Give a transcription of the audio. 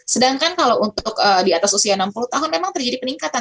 sedangkan kalau untuk di atas usia enam puluh tahun memang terjadi peningkatan